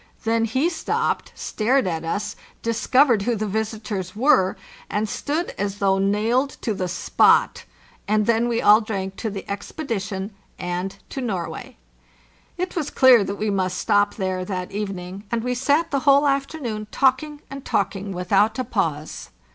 Then he stopped, stared at us, discov ered who the visitors were, and stood as though nailed to the spot; and then we all drank to the expedition and to Norway. It was clear that we must stop there that even ing, and we sat the whole afternoon talking and talk ing without a pause.